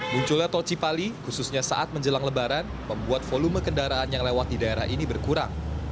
munculnya tol cipali khususnya saat menjelang lebaran membuat volume kendaraan yang lewat di daerah ini berkurang